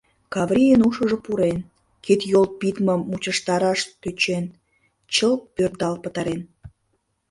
Каврийын ушыжо пурен, кид-йол пидмым мучыштараш тӧчен, чылт пӧрдал пытарен.